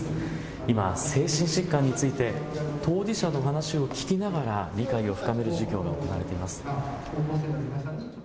今、精神疾患について当事者の話を聞きながら理解を深める授業が行われています。